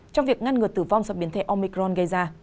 trong việc ngăn ngừa tử vong do biến thể omicron gây ra